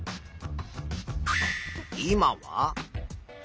今は？